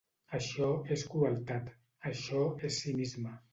Això és crueltat, això és cinisme.